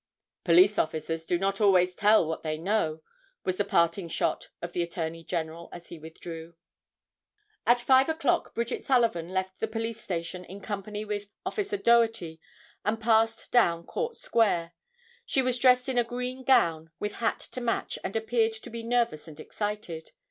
"Police officers do not always tell what they know," was the parting shot of the Attorney General as he withdrew. At 5 o'clock Bridget Sullivan left the police station in company with Officer Doherty and passed down Court Square. She was dressed in a green gown with hat to match and appeared to be nervous and excited.